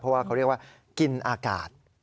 เพราะว่าเขาเรียกว่ากินอากาศ